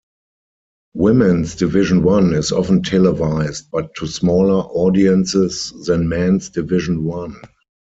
Women's Division One is often televised, but to smaller audiences than Men's Division One.